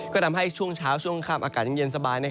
ก็ทำให้ช่วงเช้าช่วงค่ำอากาศเย็นสบาย